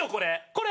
これ。